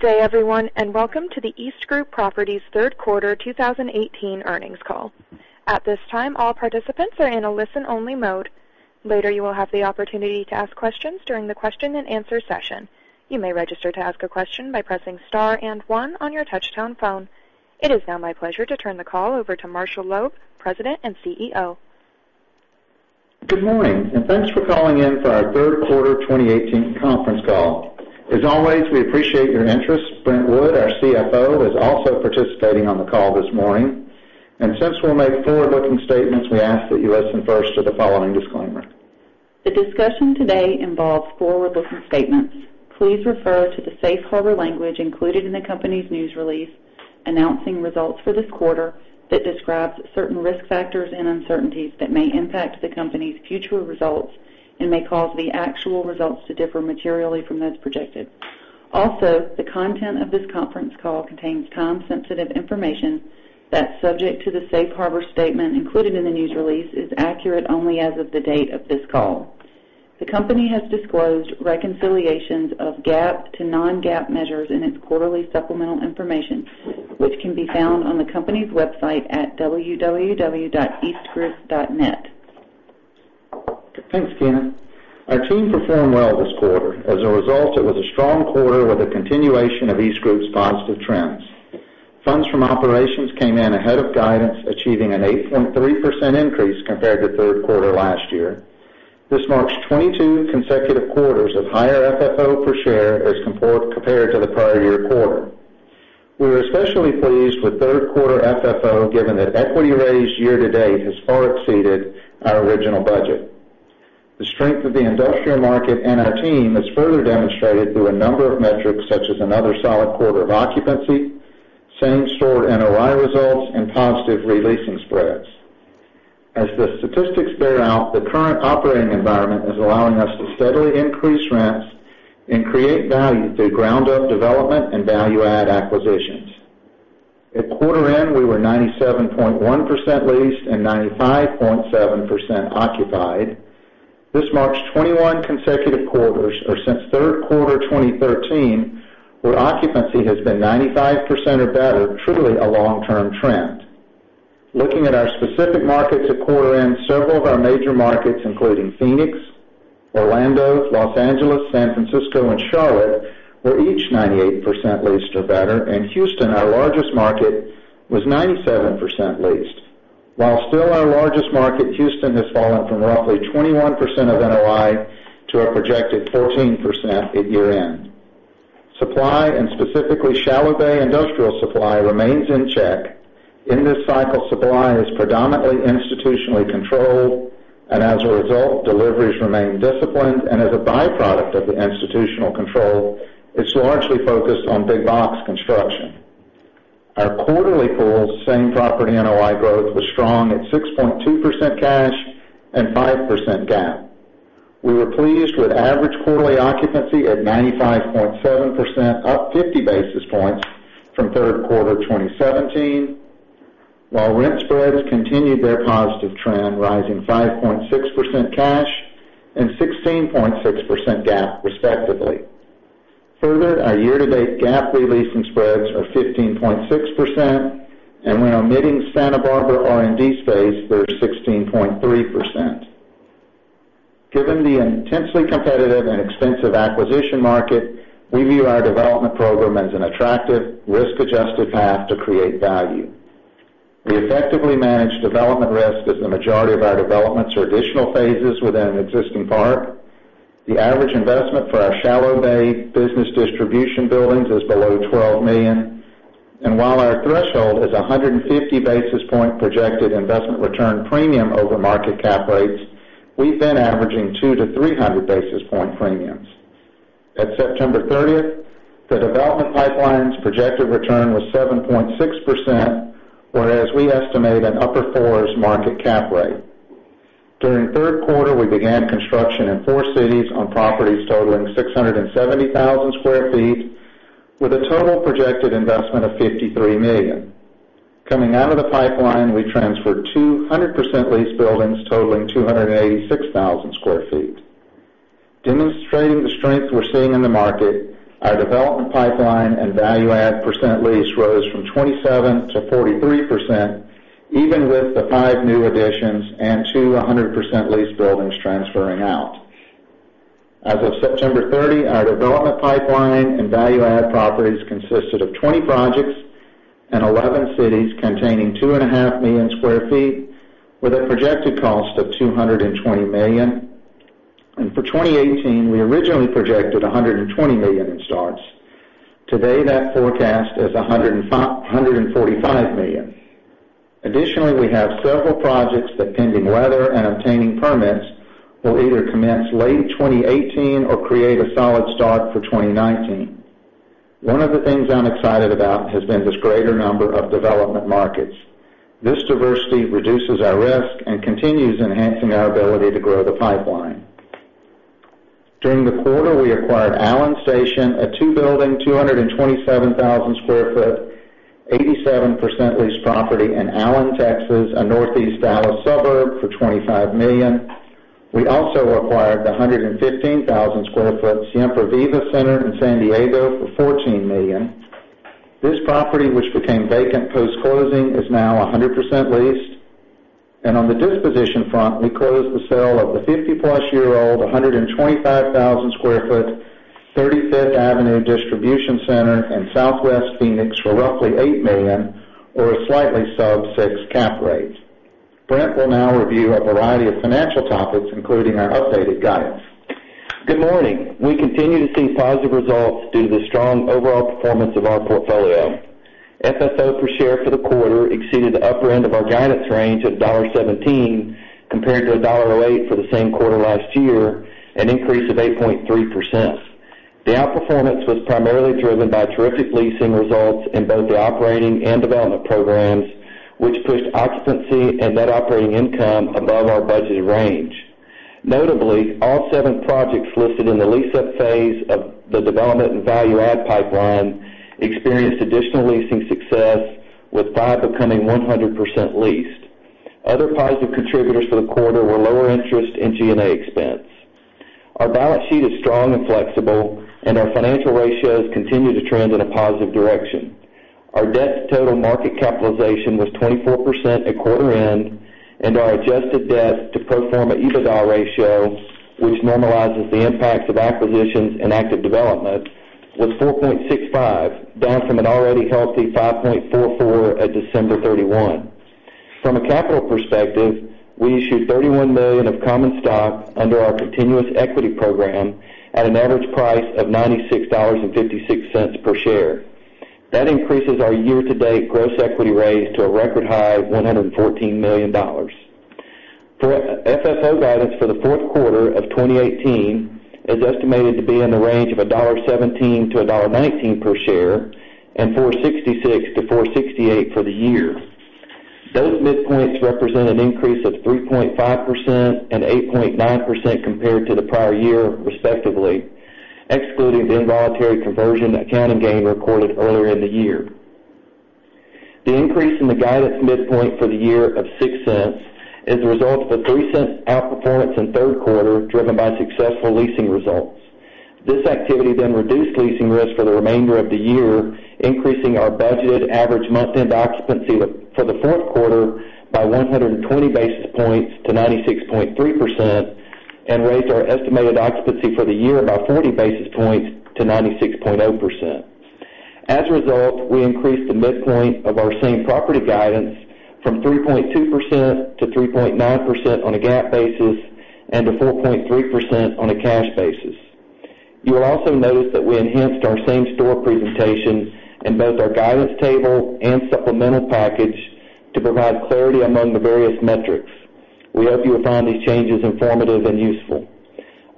Good day everyone, welcome to the EastGroup Properties third quarter 2018 earnings call. At this time, all participants are in a listen-only mode. Later, you will have the opportunity to ask questions during the question-and-answer session. You may register to ask a question by pressing star and one on your touchtone phone. It is now my pleasure to turn the call over to Marshall Loeb, President and CEO. Good morning, thanks for calling in for our third quarter 2018 conference call. As always, we appreciate your interest. Brent Wood, our CFO, is also participating on the call this morning. Since we'll make forward-looking statements, we ask that you listen first to the following disclaimer. The discussion today involves forward-looking statements. Please refer to the safe harbor language included in the company's news release announcing results for this quarter that describes certain risk factors and uncertainties that may impact the company's future results and may cause the actual results to differ materially from those projected. The content of this conference call contains time-sensitive information that's subject to the safe harbor statement included in the news release is accurate only as of the date of this call. The company has disclosed reconciliations of GAAP to non-GAAP measures in its quarterly supplemental information, which can be found on the company's website at www.eastgroup.net. Thanks, Tina. Our team performed well this quarter. It was a strong quarter with a continuation of EastGroup's positive trends. Funds from operations came in ahead of guidance, achieving an 8.3% increase compared to third quarter last year. This marks 22 consecutive quarters of higher FFO per share as compared to the prior year quarter. We were especially pleased with third quarter FFO, given that equity raised year to date has far exceeded our original budget. The strength of the industrial market and our team is further demonstrated through a number of metrics, such as another solid quarter of occupancy, same-store NOI results, and positive re-leasing spreads. The statistics bear out, the current operating environment is allowing us to steadily increase rents and create value through ground-up development and value-add acquisitions. At quarter end, we were 97.1% leased and 95.7% occupied. This marks 21 consecutive quarters, or since third quarter 2013, where occupancy has been 95% or better, truly a long-term trend. Looking at our specific markets at quarter end, several of our major markets, including Phoenix, Orlando, Los Angeles, San Francisco, and Charlotte, were each 98% leased or better. Houston, our largest market, was 97% leased. While still our largest market, Houston has fallen from roughly 21% of NOI to a projected 14% at year-end. Supply, and specifically shallow bay industrial supply, remains in check. In this cycle, supply is predominantly institutionally controlled, and as a result, deliveries remain disciplined, and as a byproduct of the institutional control, it's largely focused on big box construction. Our quarterly pool same property NOI growth was strong at 6.2% cash and 5% GAAP. We were pleased with average quarterly occupancy at 95.7%, up 50 basis points from third quarter 2017. Rent spreads continued their positive trend, rising 5.6% cash and 16.6% GAAP respectively. Further, our year-to-date GAAP re-leasing spreads are 15.6%, and when omitting Santa Barbara R&D space, they're 16.3%. Given the intensely competitive and expensive acquisition market, we view our development program as an attractive risk-adjusted path to create value. We effectively manage development risk as the majority of our developments are additional phases within an existing park. The average investment for our shallow bay business distribution buildings is below $12 million. While our threshold is 150 basis point projected investment return premium over market cap rates, we've been averaging 2 to 300 basis point premiums. At September 30, the development pipeline's projected return was 7.6%, whereas we estimate an upper fours market cap rate. During third quarter, we began construction in four cities on properties totaling 670,000 sq ft, with a total projected investment of $53 million. Coming out of the pipeline, we transferred two 100% leased buildings totaling 286,000 sq ft. Demonstrating the strength we're seeing in the market, our development pipeline and value add percent lease rose from 27% to 43%, even with the five new additions and two 100% leased buildings transferring out. As of September 30, our development pipeline and value add properties consisted of 20 projects and 11 cities containing two and a half million square feet with a projected cost of $220 million. For 2018, we originally projected $120 million in starts. Today, that forecast is $145 million. Additionally, we have several projects that pending weather and obtaining permits will either commence late 2018 or create a solid start for 2019. One of the things I'm excited about has been this greater number of development markets. This diversity reduces our risk and continues enhancing our ability to grow the pipeline. During the quarter, we acquired Allen Station, a two building, 227,000 sq ft, 87% leased property in Allen, Texas, a Northeast Dallas suburb, for $25 million. We also acquired the 115,000 sq ft Siempre Viva Center in San Diego for $14 million. This property, which became vacant post-closing, is now 100% leased. On the disposition front, we closed the sale of the 50-plus-year-old 125,000 sq ft 35th Avenue distribution center in southwest Phoenix for roughly $8 million, or a slightly sub 6 cap rate. Brent will now review a variety of financial topics, including our updated guidance. Good morning. We continue to see positive results due to the strong overall performance of our portfolio. FFO per share for the quarter exceeded the upper end of our guidance range of $1.17 compared to $1.08 for the same quarter last year, an increase of 8.3%. The outperformance was primarily driven by terrific leasing results in both the operating and development programs, which pushed occupancy and net operating income above our budgeted range. Notably, all seven projects listed in the lease-up phase of the development and value-add pipeline experienced additional leasing success, with five becoming 100% leased. Other positive contributors for the quarter were lower interest in G&A expense. Our balance sheet is strong and flexible, and our financial ratios continue to trend in a positive direction. Our debt-to-total market capitalization was 24% at quarter end, and our adjusted debt to pro forma EBITDA ratio, which normalizes the impacts of acquisitions and active development, was 4.65, down from an already healthy 5.44 at December 31. From a capital perspective, we issued $31 million of common stock under our continuous equity program at an average price of $96.56 per share. That increases our year-to-date gross equity raise to a record high of $114 million. FFO guidance for the fourth quarter of 2018 is estimated to be in the range of $1.17 to $1.19 per share and $4.66 to $4.68 for the year. Those midpoints represent an increase of 3.5% and 8.9% compared to the prior year, respectively, excluding the involuntary conversion accounting gain recorded earlier in the year. The increase in the guidance midpoint for the year of $0.06 is the result of a $0.03 outperformance in third quarter driven by successful leasing results. This activity reduced leasing risk for the remainder of the year, increasing our budgeted average month-end occupancy for the fourth quarter by 120 basis points to 96.3% and raised our estimated occupancy for the year by 40 basis points to 96.0%. As a result, we increased the midpoint of our same-property guidance from 3.2% to 3.9% on a GAAP basis and to 4.3% on a cash basis. You will also notice that we enhanced our same-store presentation in both our guidance table and supplemental package to provide clarity among the various metrics. We hope you will find these changes informative and useful.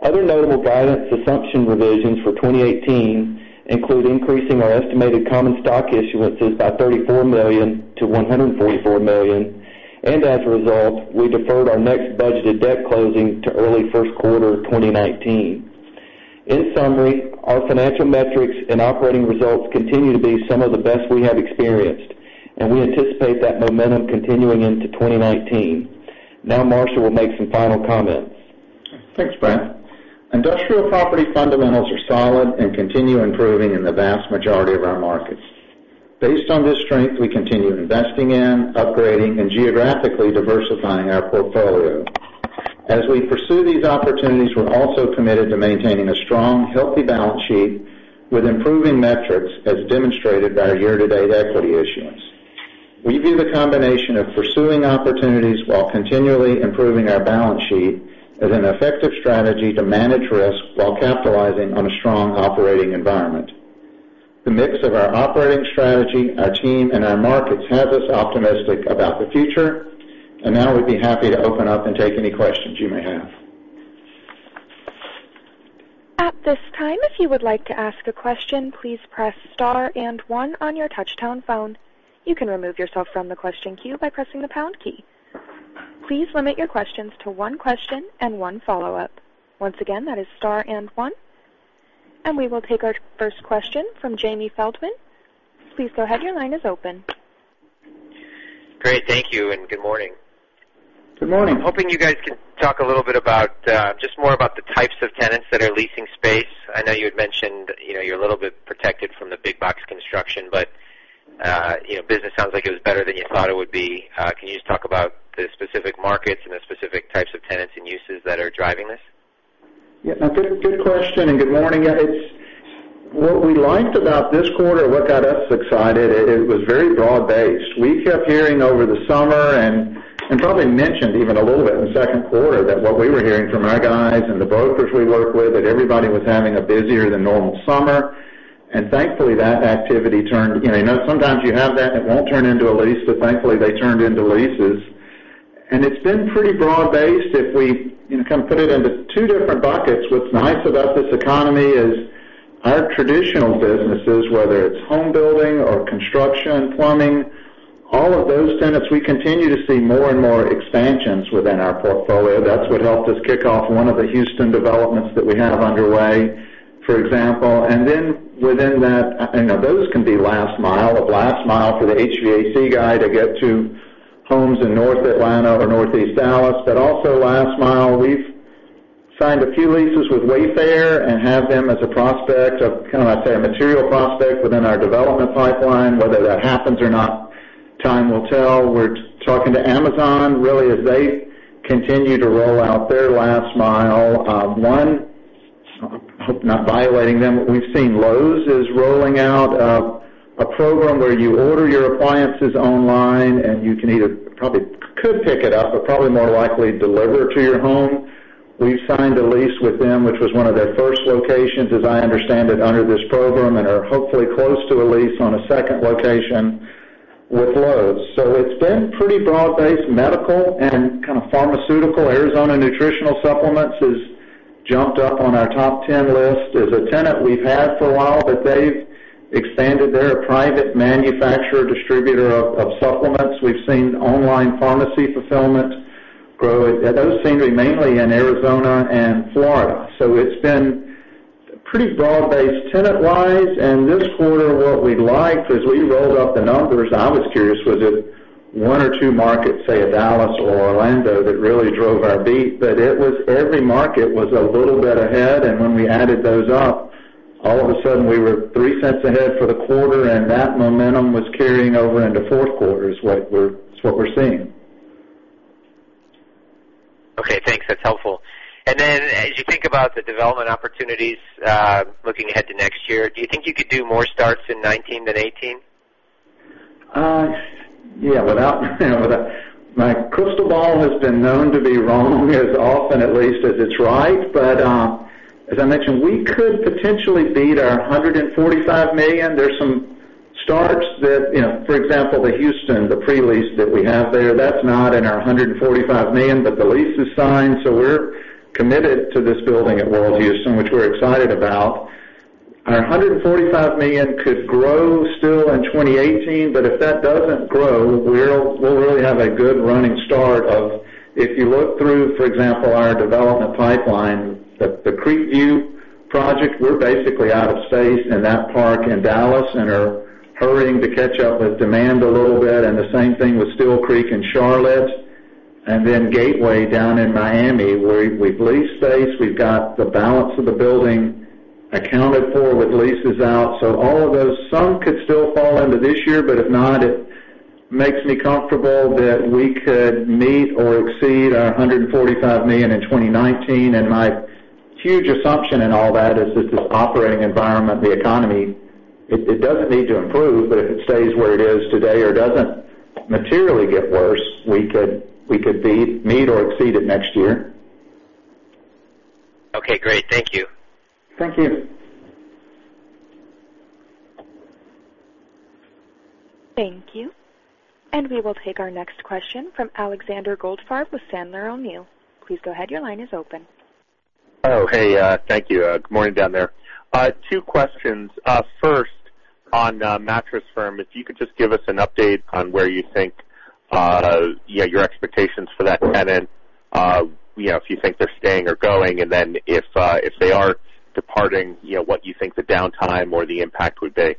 Other notable guidance assumption revisions for 2018 include increasing our estimated common stock issuances by $34 million to $144 million. As a result, we deferred our next budgeted debt closing to early first quarter 2019. In summary, our financial metrics and operating results continue to be some of the best we have experienced. We anticipate that momentum continuing into 2019. Now, Marshall will make some final comments. Thanks, Brent. Industrial property fundamentals are solid and continue improving in the vast majority of our markets. Based on this strength, we continue investing in, upgrading, and geographically diversifying our portfolio. As we pursue these opportunities, we're also committed to maintaining a strong, healthy balance sheet with improving metrics as demonstrated by our year-to-date equity issuance. We view the combination of pursuing opportunities while continually improving our balance sheet as an effective strategy to manage risk while capitalizing on a strong operating environment. The mix of our operating strategy, our team, and our markets have us optimistic about the future, and now we'd be happy to open up and take any questions you may have. At this time, if you would like to ask a question, please press star and one on your touchtone phone. You can remove yourself from the question queue by pressing the pound key. Please limit your questions to one question and one follow-up. Once again, that is star and one. We will take our first question from Jamie Feldman. Please go ahead. Your line is open. Great. Thank you and good morning. Good morning. I'm hoping you guys can talk a little bit about, just more about the types of tenants that are leasing space. I know you had mentioned you're a little bit protected from the big box construction, business sounds like it was better than you thought it would be. Can you just talk about the specific markets and the specific types of tenants and uses that are driving this? Yeah. Good question. Good morning. What we liked about this quarter, what got us excited, it was very broad-based. We kept hearing over the summer and probably mentioned even a little bit in the second quarter that what we were hearing from our guys and the brokers we work with, that everybody was having a busier than normal summer, thankfully that activity turned. Sometimes you have that and it won't turn into a lease, thankfully they turned into leases, it's been pretty broad-based. If we can put it into two different buckets, what's nice about this economy is our traditional businesses, whether it's home building or construction, plumbing, all of those tenants, we continue to see more and more expansions within our portfolio. That's what helped us kick off one of the Houston developments that we have underway. For example, within that Those can be last mile, a last mile for the HVAC guy to get to homes in North Atlanta or Northeast Dallas, also last mile. We've signed a few leases with Wayfair and have them as a prospect of, I'd say, a material prospect within our development pipeline. Whether that happens or not, time will tell. We're talking to Amazon really as they continue to roll out their last mile. One, I hope I'm not violating them, we've seen Lowe's is rolling out a program where you order your appliances online, you can either could pick it up, probably more likely deliver it to your home. We've signed a lease with them, which was one of their first locations, as I understand it, under this program, are hopefully close to a lease on a second location with Lowe's. It's been pretty broad-based medical and kind of pharmaceutical. Arizona Nutritional Supplements has jumped up on our top 10 list as a tenant we've had for a while, they've expanded. They're a private manufacturer, distributor of supplements. We've seen online pharmacy fulfillment grow. Those seem to be mainly in Arizona and Florida. It's been pretty broad-based tenant wise. This quarter, what we liked is we rolled up the numbers. I was curious was it one or two markets, say a Dallas or Orlando, that really drove our beat? Every market was a little bit ahead. When we added those up, all of a sudden we were $0.03 ahead for the quarter, that momentum was carrying over into fourth quarter is what we're seeing. Okay, thanks. That's helpful. As you think about the development opportunities looking ahead to next year, do you think you could do more starts in 2019 than 2018? Yeah. My crystal ball has been known to be wrong as often at least as it's right. As I mentioned, we could potentially beat our $145 million. There are some starts that, for example, the Houston, the pre-lease that we have there, that's not in our $145 million, but the lease is signed. We're committed to this building at Walls, Houston, which we're excited about. Our $145 million could grow still in 2018. If that doesn't grow, we'll really have a good running start of, if you look through, for example, our development pipeline, the Creekview project, we're basically out of space in that park in Dallas and are hurrying to catch up with demand a little bit. The same thing with Steele Creek in Charlotte. Gateway down in Miami, where we've leased space. We've got the balance of the building accounted for with leases out. All of those, some could still fall into this year. If not, it makes me comfortable that we could meet or exceed $145 million in 2019. My huge assumption in all that is that this operating environment, the economy, it doesn't need to improve, if it stays where it is today or doesn't materially get worse, we could beat, meet, or exceed it next year. Okay, great. Thank you. Thank you. Thank you. We will take our next question from Alexander Goldfarb with Sandler O'Neill. Please go ahead. Your line is open. Oh, hey. Thank you. Good morning down there. Two questions. First, on Mattress Firm, if you could just give us an update on where you think your expectations for that tenant are. If you think they're staying or going, then if they are departing, what you think the downtime or the impact would be.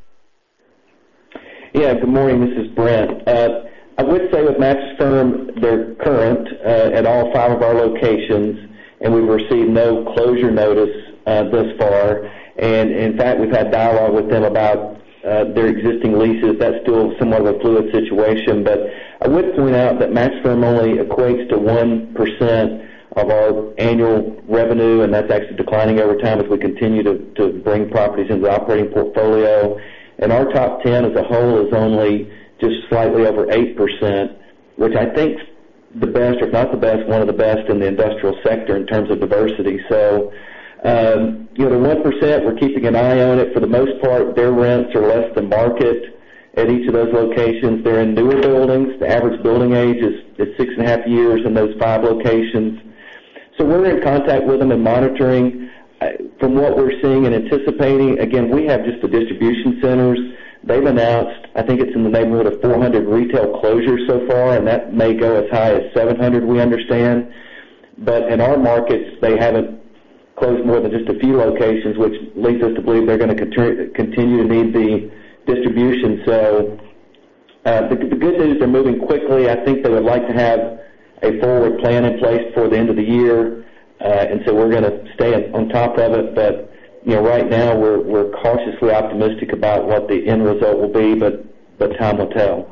Yeah. Good morning. This is Brent. I would say with Mattress Firm, they're current at all five of our locations, we've received no closure notice thus far. In fact, we've had dialogue with them about their existing leases. That's still somewhat of a fluid situation. I would point out that Mattress Firm only equates to 1% of our annual revenue, that's actually declining over time as we continue to bring properties into our operating portfolio. Our top 10 as a whole is only just slightly over 8%, which I think's the best, if not the best, one of the best in the industrial sector in terms of diversity. The 1%, we're keeping an eye on it. For the most part, their rents are less than market at each of those locations. They're in newer buildings. The average building age is six and a half years in those five locations. We're in contact with them and monitoring. From what we're seeing and anticipating, again, we have just the distribution centers. They've announced, I think it's in the neighborhood of 400 retail closures so far, and that may go as high as 700, we understand. In our markets, they haven't closed more than just a few locations, which leads us to believe they're going to continue to need the distribution. The good news, they're moving quickly. I think they would like to have a forward plan in place before the end of the year. We're going to stay on top of it. Right now, we're cautiously optimistic about what the end result will be, but time will tell.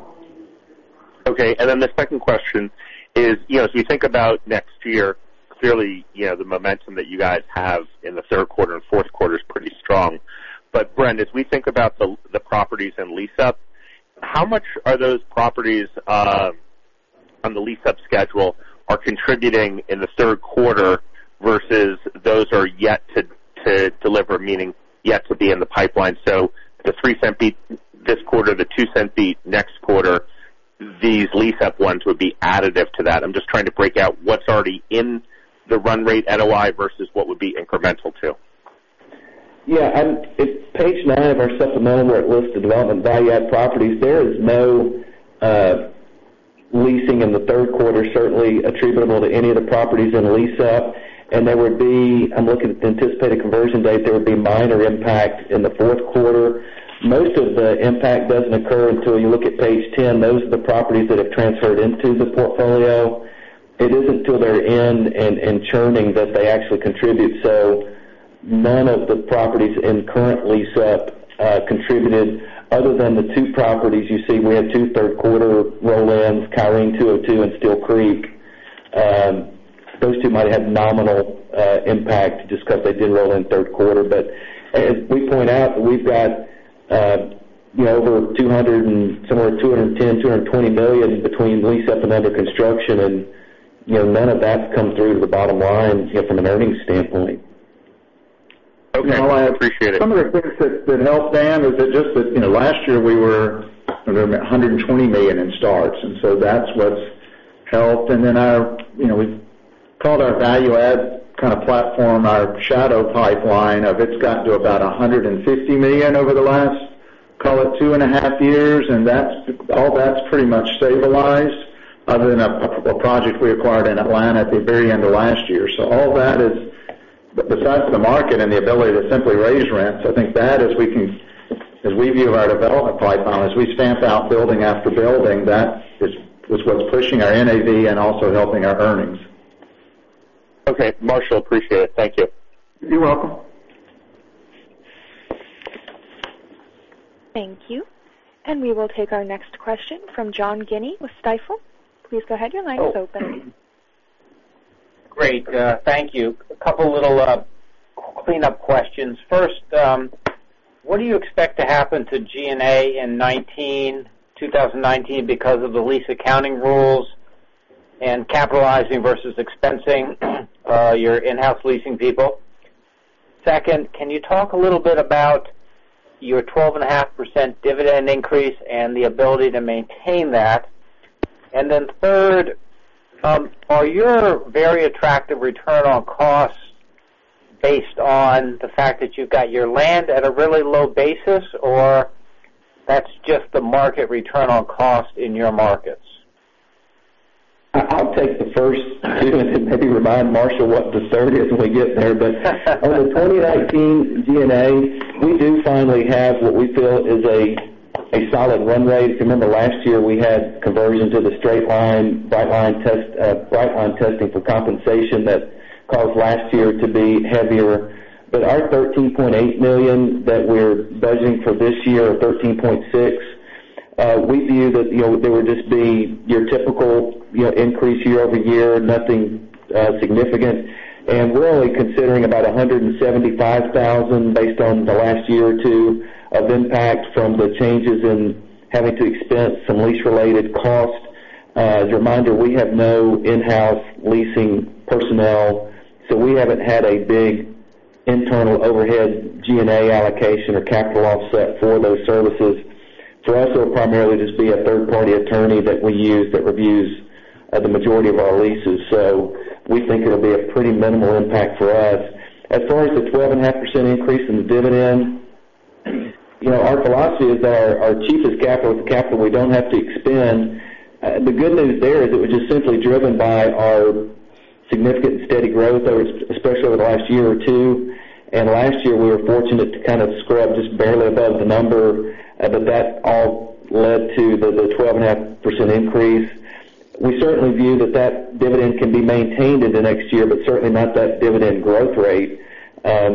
Okay. The second question is, as we think about next year, clearly, the momentum that you guys have in the third quarter and fourth quarter is pretty strong. Brent, as we think about the properties in lease-up, how much are those properties on the lease-up schedule are contributing in the third quarter versus those are yet to deliver, meaning yet to be in the pipeline? The $0.03 beat this quarter, the $0.02 beat next quarter, these lease-up ones would be additive to that. I'm just trying to break out what's already in the run rate NOI versus what would be incremental to. Yeah. It's page nine of our supplement where it lists the development value add properties. There is no leasing in the third quarter certainly attributable to any of the properties in the lease-up. There would be, I'm looking at the anticipated conversion date, there would be minor impact in the fourth quarter. Most of the impact doesn't occur until you look at page 10. Those are the properties that have transferred into the portfolio. It isn't until they're in and churning that they actually contribute. None of the properties in current lease-up contributed other than the two properties you see. We had two third quarter roll-ins, Kyrene 202 and Steele Creek. Those two might have nominal impact just because they did roll in third quarter. As we point out, we've got over $200 million and somewhere $210 million, $220 million between lease-up and under construction, and none of that's come through to the bottom line from an earnings standpoint. Okay. I appreciate it. Some of the things that help, Dan, is that just that last year we were, remember, $120 million in starts. That's what's helped. We've called our value add kind of platform, our shadow pipeline of it's gotten to about $150 million over the last, call it two and a half years, and all that's pretty much stabilized other than a project we acquired in Atlanta at the very end of last year. All that is the size of the market and the ability to simply raise rents, I think that as we view our development pipeline, as we stamp out building after building, that is what's pushing our NAV and also helping our earnings. Okay, Marshall, appreciate it. Thank you. You're welcome. Thank you. We will take our next question from John Guinee with Stifel. Please go ahead. Your line is open. Great. Thank you. A couple little cleanup questions. First, what do you expect to happen to G&A in 2019 because of the lease accounting rules and capitalizing versus expensing your in-house leasing people? Second, can you talk a little bit about your 12.5% dividend increase and the ability to maintain that? Third, are your very attractive return on costs based on the fact that you've got your land at a really low basis, or that's just the market return on cost in your markets? I'll take the first and maybe remind Marshall what the third is when we get there. On the 2019 G&A, we do finally have what we feel is a solid run rate. Remember last year, we had conversions of the straight line, bright line testing for compensation that caused last year to be heavier. Our $13.8 million that we're budgeting for this year of $13.6, we view that they would just be your typical increase year-over-year, nothing significant. We're only considering about $175,000 based on the last year or two of impact from the changes in having to expense some lease-related costs. As a reminder, we have no in-house leasing personnel, so we haven't had a big internal overhead G&A allocation or capital offset for those services. For us, it'll primarily just be a third-party attorney that we use that reviews the majority of our leases. We think it'll be a pretty minimal impact for us. As far as the 12.5% increase in the dividend, our philosophy is that our cheapest capital is the capital we don't have to expend. The good news there is it was just simply driven by our significant and steady growth, especially over the last year or two. Last year, we were fortunate to kind of scrub just barely above the number, but that all led to the 12.5% increase. We certainly view that that dividend can be maintained into next year, but certainly not that dividend growth rate.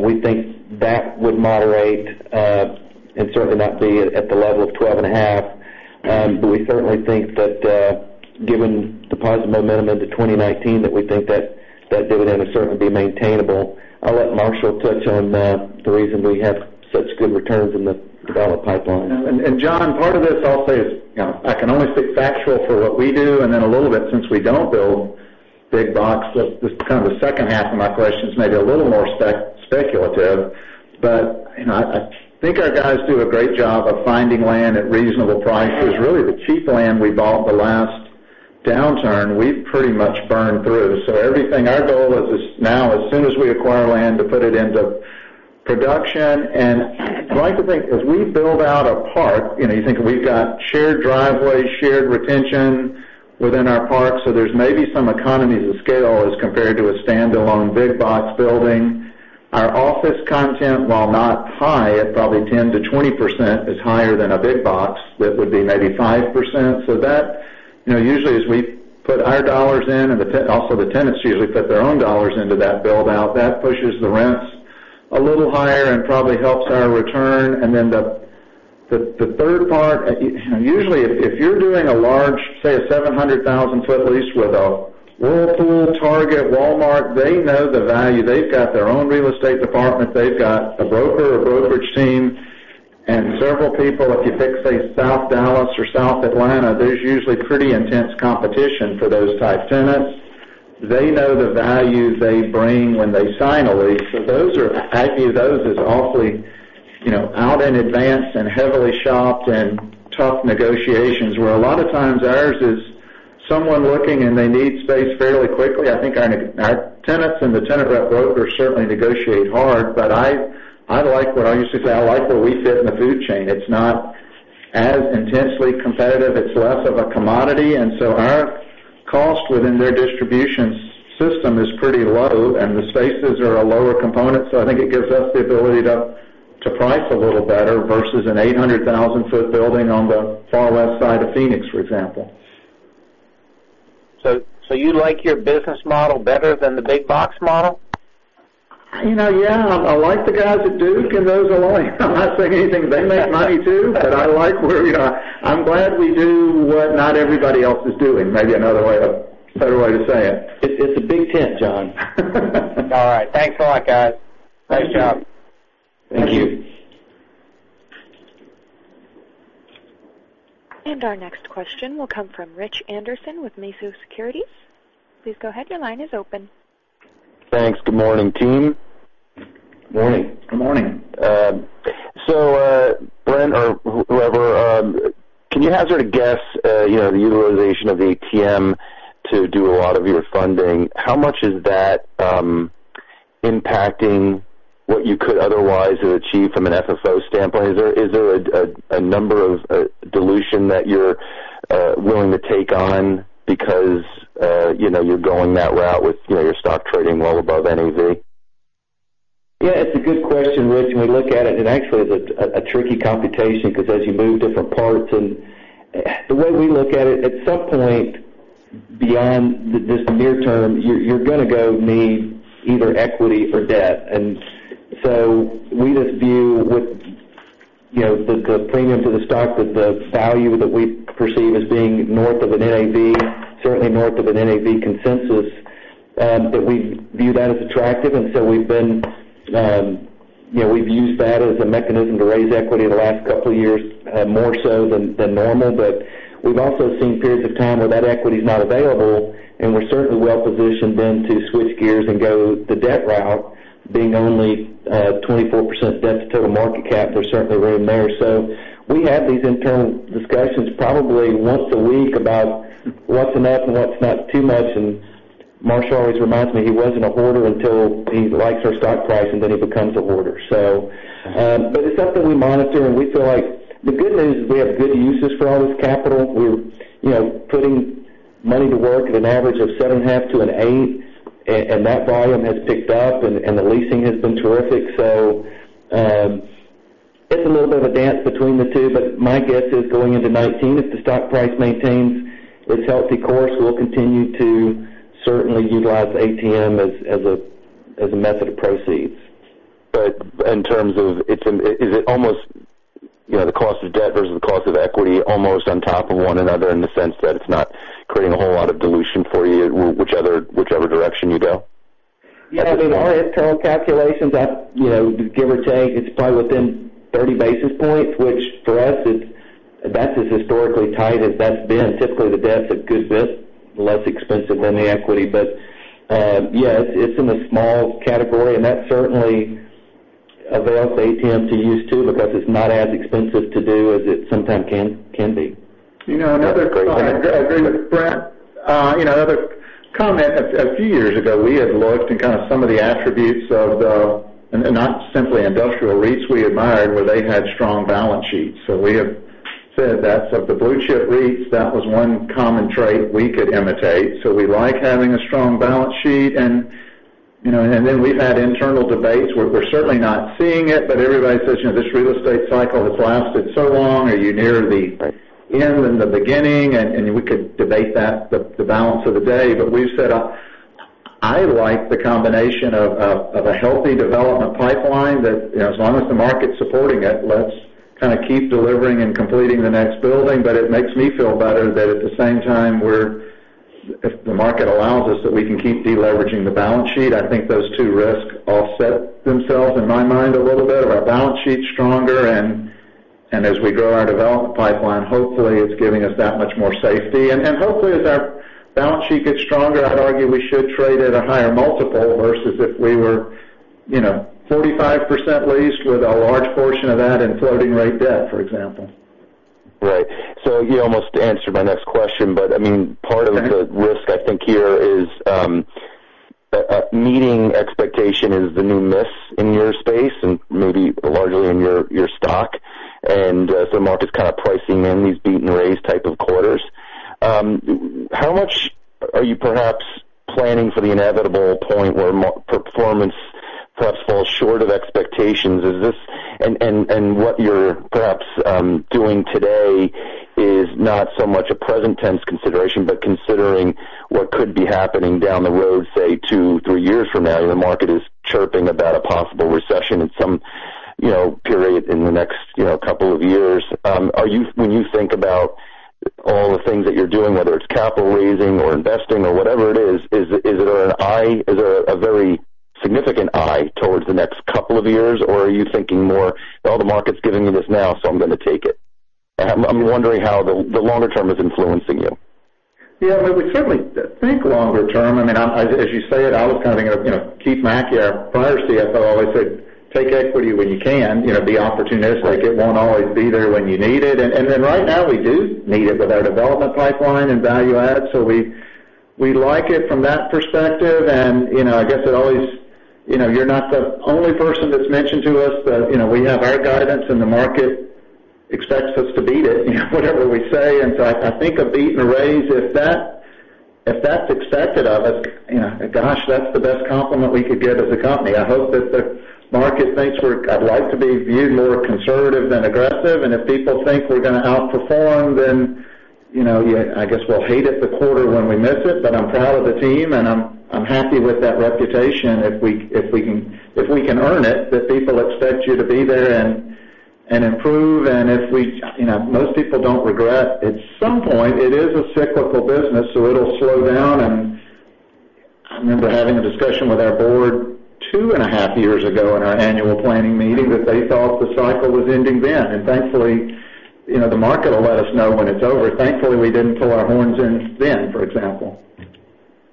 We think that would moderate, and certainly not be at the level of 12.5%. We certainly think that given the positive momentum into 2019, that we think that dividend is certainly be maintainable. I'll let Marshall touch on the reason we have such good returns in the develop pipeline. John, part of this I'll say is, I can only speak factual for what we do, and then a little bit since we don't build big box, this is kind of the second half of my question's maybe a little more speculative, but I think our guys do a great job of finding land at reasonable prices. Really, the cheap land we bought the last downturn, we've pretty much burned through. Everything, our goal is now as soon as we acquire land to put it into production. I like to think as we build out a park, you think we've got shared driveway, shared retention within our parks, so there's maybe some economies of scale as compared to a standalone big box building. Our office content, while not high at probably 10%-20%, is higher than a big box that would be maybe 5%. That usually as we put our dollars in and also the tenants usually put their own dollars into that build out, that pushes the rents a little higher and probably helps our return. The third part, usually if you're doing a large, say, a 700,000 foot lease with a Whirlpool, Target, Walmart, they know the value. They've got their own real estate department. They've got a broker or brokerage team and several people. If you pick, say, South Dallas or South Atlanta, there's usually pretty intense competition for those type tenants. They know the value they bring when they sign a lease. I view those as awfully out in advance and heavily shopped and tough negotiations, where a lot of times ours is someone looking, and they need space fairly quickly. I think our tenants and the tenant rep brokers certainly negotiate hard, but I like what I used to say, I like where we fit in the food chain. It's not as intensely competitive, it's less of a commodity. Our cost within their distribution system is pretty low, and the spaces are a lower component. I think it gives us the ability to price a little better versus an 800,000-foot building on the far west side of Phoenix, for example. You like your business model better than the big box model? Yeah, I like the guys at Duke and those alike. I'm not saying anything. They make money, too, but I'm glad we do what not everybody else is doing. Maybe another way, a better way to say it. It's a big tent, John. All right. Thanks a lot, guys. Thank you. Great job. Thank you. Our next question will come from Rich Anderson with Mizuho Securities. Please go ahead. Your line is open. Thanks. Good morning, team. Morning. Good morning. Brent or whoever, can you hazard a guess, the utilization of ATM to do a lot of your funding? How much is that impacting what you could otherwise have achieved from an FFO standpoint? Is there a number of dilution that you're willing to take on because you're going that route with your stock trading well above NAV? It's a good question, Rich, we look at it, actually, it's a tricky computation because as you move different parts. The way we look at it, at some point beyond this near term, you're going to go need either equity or debt. We just view the premium to the stock with the value that we perceive as being north of an NAV, certainly north of an NAV consensus, that we view that as attractive, we've used that as a mechanism to raise equity the last couple of years, more so than normal. We've also seen periods of time where that equity's not available, and we're certainly well positioned then to switch gears and go the debt route, being only 24% debt to total market cap. There's certainly room there. We have these internal discussions probably once a week about what's enough and what's not too much, Marshall always reminds me he wasn't a hoarder until he likes our stock price, and then he becomes a hoarder. It's something we monitor, and we feel like the good news is we have good uses for all this capital. We're putting money to work at an average of seven and a half to an eight, and that volume has picked up, and the leasing has been terrific. It's a little bit of a dance between the two, but my guess is going into 2019, if the stock price maintains its healthy course, we'll continue to certainly utilize ATM as a method of proceeds. In terms of, is it almost the cost of debt versus the cost of equity, almost on top of one another in the sense that it's not creating a whole lot of dilution for you, whichever direction you go? I mean, our internal calculations, give or take, it's probably within 30 basis points, which for us is, that's as historically tight as that's been. Typically, the debt's a good bit less expensive than the equity. Yeah, it's in a small category, and that certainly avails the ATM to use, too, because it's not as expensive to do as it sometimes can be. I agree with Brent. Other comment. A few years ago, we had looked at kind of some of the attributes of the, not simply industrial REITs we admired, where they had strong balance sheets. We have said that of the blue-chip REITs, that was one common trait we could imitate. We like having a strong balance sheet. Then we've had internal debates where we're certainly not seeing it, but everybody says, "This real estate cycle has lasted so long. Are you near the end and the beginning?" We could debate that the balance of the day. We've said, I like the combination of a healthy development pipeline that as long as the market's supporting it, let's kind of keep delivering and completing the next building. It makes me feel better that at the same time, if the market allows us, that we can keep de-leveraging the balance sheet. I think those two risks offset themselves in my mind a little bit, where our balance sheet's stronger, and as we grow our development pipeline, hopefully, it's giving us that much more safety. Hopefully, as our balance sheet gets stronger, I'd argue we should trade at a higher multiple versus if we were 45% leased with a large portion of that in floating rate debt, for example. Right. You almost answered my next question. Part of the risk I think here is, meeting expectation is the new miss in your space and maybe largely in your stock. The market's kind of pricing in these beat and raise type of quarters. How much are you perhaps planning for the inevitable point where performance perhaps falls short of expectations? What you're perhaps doing today is not so much a present tense consideration, but considering what could be happening down the road, say, two, three years from now. The market is chirping about a possible recession at some period in the next couple of years. When you think about all the things that you're doing, whether it's capital raising or investing or whatever it is it an eye, is there a very significant eye towards the next couple of years, or are you thinking more, "Oh, the market's giving me this now, so I'm going to take it"? I'm wondering how the longer term is influencing you. Yeah. We certainly think longer term. As you say it, I was kind of thinking of Keith McKey, our prior CFO, always said, "Take equity when you can. Be opportunistic. It won't always be there when you need it." Right now, we do need it with our development pipeline and value add. We like it from that perspective, and I guess you're not the only person that's mentioned to us that we have our guidance and the market expects us to beat it, whatever we say. I think a beat and a raise, if that's expected of us, gosh, that's the best compliment we could get as a company. I hope that the market thinks I'd like to be viewed more conservative than aggressive, and if people think we're going to outperform, then I guess we'll hate it the quarter when we miss it. I'm proud of the team, and I'm happy with that reputation. If we can earn it, that people expect you to be there and improve, and most people don't regret. At some point, it is a cyclical business, so it'll slow down, and I remember having a discussion with our board two and a half years ago in our annual planning meeting that they thought the cycle was ending then, and thankfully, the market will let us know when it's over. Thankfully, we didn't pull our horns in then, for example.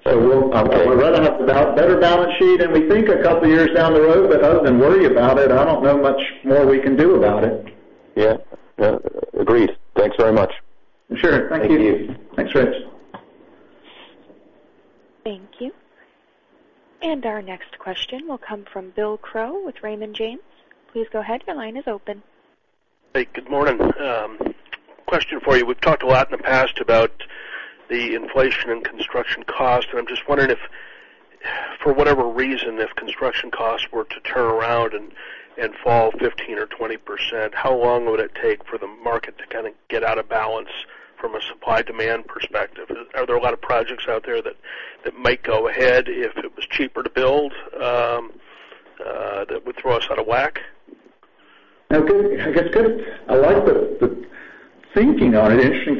We're running a better balance sheet than we think a couple of years down the road, but other than worry about it, I don't know much more we can do about it. Yeah. Agreed. Thanks very much. Sure. Thank you. Thank you. Thanks, Rich. Thank you. Our next question will come from Bill Crow with Raymond James. Please go ahead. Your line is open. Hey, good morning. Question for you. We've talked a lot in the past about the inflation and construction cost. I'm just wondering if, for whatever reason, if construction costs were to turn around and fall 15% or 20%, how long would it take for the market to kind of get out of balance from a supply-demand perspective? Are there a lot of projects out there that might go ahead if it was cheaper to build that would throw us out of whack? I like the thinking on it. Interesting.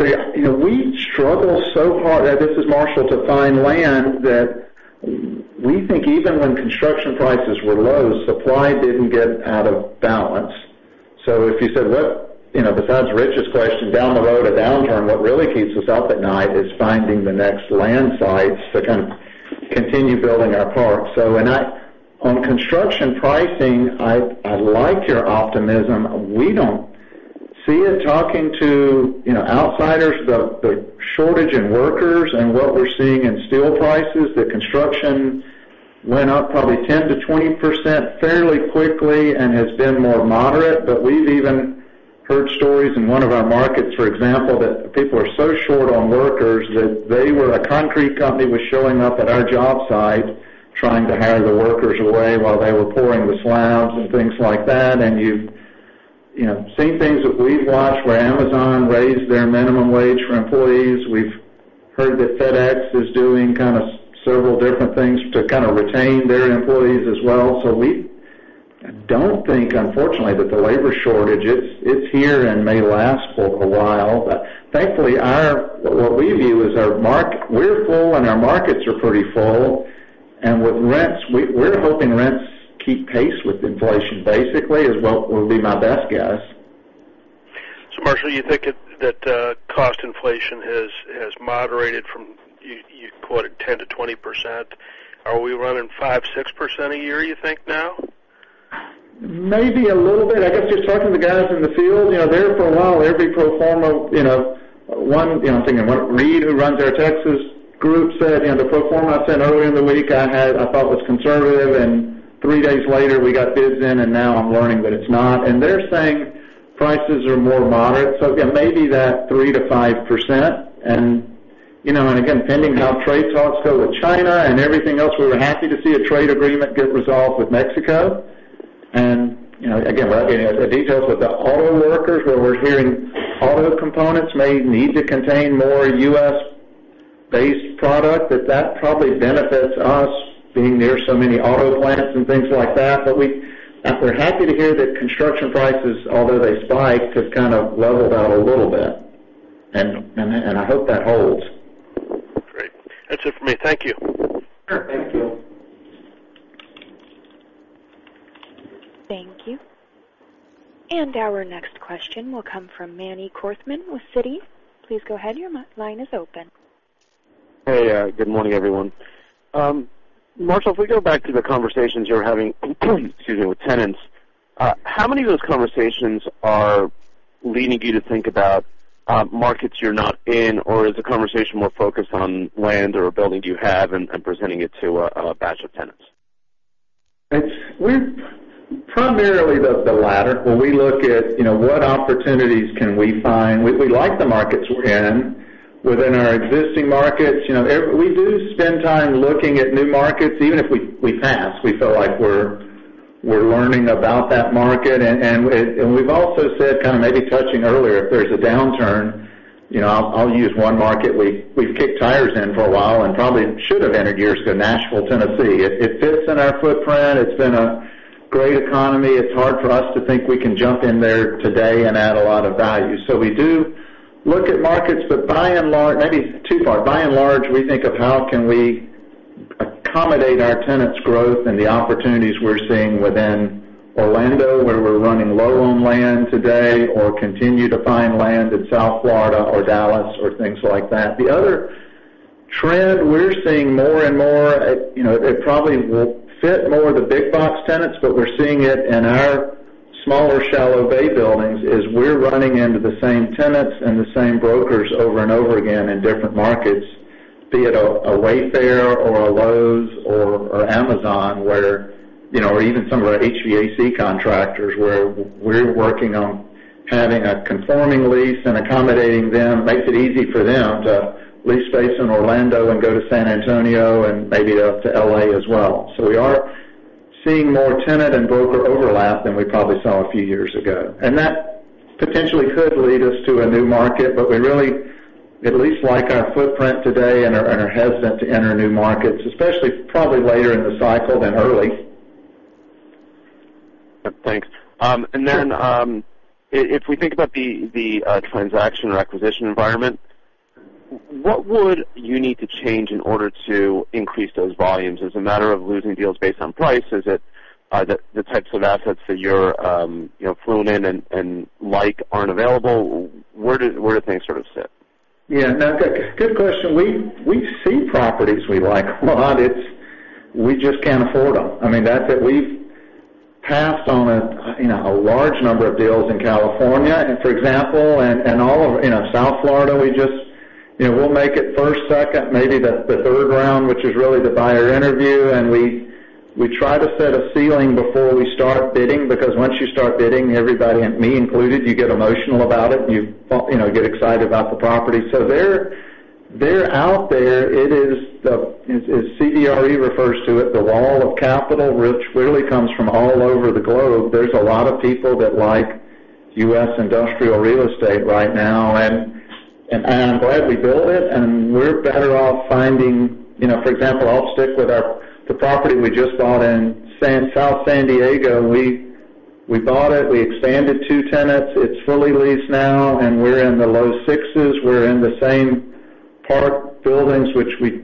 We struggle so hard, this is Marshall, to find land that we think even when construction prices were low, supply didn't get out of balance. If you said what, besides Rich's question down the road, a downturn, what really keeps us up at night is finding the next land sites to kind of continue building our parks. On construction pricing, I like your optimism. We don't see it talking to outsiders, the shortage in workers and what we're seeing in steel prices, that construction went up probably 10% to 20% fairly quickly and has been more moderate. We've even heard stories in one of our markets, for example, that people are so short on workers that a concrete company was showing up at our job site trying to hire the workers away while they were pouring the slabs and things like that. You've seen things that we've watched where Amazon raised their minimum wage for employees. We've heard that FedEx is doing kind of several different things to kind of retain their employees as well. We don't think, unfortunately, that the labor shortage, it's here and may last for a while. Thankfully, what we view is our mark. We're full, and our markets are pretty full, and with rents, we're hoping rents keep pace with inflation, basically, is what would be my best guess. Marshall, you think that cost inflation has moderated from, you quoted 10%-20%. Are we running 5%, 6% a year, you think now? Maybe a little bit. I guess just talking to guys in the field, there for a while, every pro forma, one, I'm thinking Reid, who runs our Texas group, said the pro forma I said earlier in the week I thought was conservative, and 3 days later, we got bids in, and now I'm learning that it's not. They're saying prices are more moderate. Again, maybe that 3%-5%. Again, pending how trade talks go with China and everything else, we were happy to see a trade agreement get resolved with Mexico. Again, the details with the auto workers, where we're hearing auto components may need to contain more U.S.-based product, that probably benefits us, being near so many auto plants and things like that. We're happy to hear that construction prices, although they spiked, have kind of leveled out a little bit, and I hope that holds. Great. That's it for me. Thank you. Sure. Thank you. Thank you. Our next question will come from Emmanuel Korchman with Citi. Please go ahead. Your line is open. Hey, good morning, everyone. Marshall, if we go back to the conversations you're having, excuse me, with tenants, how many of those conversations are leading you to think about markets you're not in, or is the conversation more focused on land or buildings you have and presenting it to a batch of tenants? It's primarily the latter. When we look at what opportunities can we find, we like the markets we're in, within our existing markets. We do spend time looking at new markets. Even if we pass, we feel like we're learning about that market, and we've also said, kind of maybe touching earlier, if there's a downturn, I'll use one market we've kicked tires in for a while and probably should have entered years ago, Nashville, Tennessee. It fits in our footprint. It's been a great economy. It's hard for us to think we can jump in there today and add a lot of value. We do look at markets, but by and large, maybe it's too far. By and large, we think of how can we accommodate our tenants' growth and the opportunities we're seeing within Orlando, where we're running low on land today, or continue to find land in South Florida or Dallas or things like that. The other trend we're seeing more and more, it probably will fit more the big box tenants, but we're seeing it in our smaller shallow bay buildings is we're running into the same tenants and the same brokers over and over again in different markets, be it a Wayfair or a Lowe's or Amazon, or even some of our HVAC contractors, where we're working on having a conforming lease and accommodating them, makes it easy for them to lease space in Orlando and go to San Antonio and maybe up to L.A. as well. We are seeing more tenant and broker overlap than we probably saw a few years ago. That potentially could lead us to a new market, but we really at least like our footprint today and are hesitant to enter new markets, especially probably later in the cycle than early. Thanks. Then, if we think about the transaction or acquisition environment, what would you need to change in order to increase those volumes? Is it a matter of losing deals based on price? Is it the types of assets that you're fluent in and like aren't available? Where do things sort of sit? Good question. We see properties we like a lot. We just can't afford them. We've passed on a large number of deals in California, for example, and all of South Florida. We'll make it first, second, maybe the third round, which is really the buyer interview. We try to set a ceiling before we start bidding, because once you start bidding, everybody, me included, you get emotional about it, and you get excited about the property. They're out there. It is, as CBRE refers to it, the wall of capital, which really comes from all over the globe. There's a lot of people that like U.S. industrial real estate right now. I'm glad we built it, and we're better off finding. For example, I'll stick with the property we just bought in South San Diego. We bought it, we expanded two tenants. It's fully leased now. We're in the low sixes. We're in the same park buildings which we